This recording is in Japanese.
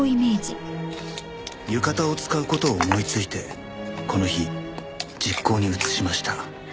「浴衣を使う事を思いついてこの日実行に移しました」